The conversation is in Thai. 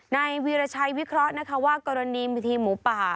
ในวีรชัยวิเคราะห์ว่ากรณีทีมหมูป่า